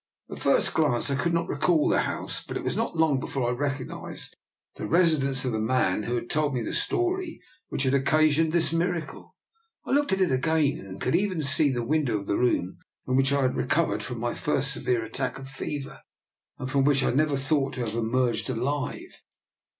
At first glance I could not recall the house, but it was not long before I recognised the residence of the man who had told me the story which had occasioned this miracle. I looked at it again, and could even see the window of the room in which I had recov ered from my first severe attack of fever, and from which I never thought to have emerged alive.